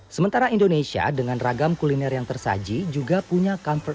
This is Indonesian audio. sementara indonesia dengan ragam kuliner yang tersaji juga punya comfort